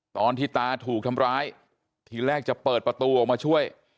ตอนที่ตาถูกทำร้ายทีแรกจะเปิดประตูออกมาช่วย